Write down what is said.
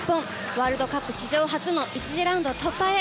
ワールドカップ史上初の１次ラウンド突破へ！